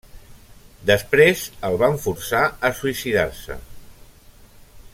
Després el van forçar a suïcidar-se.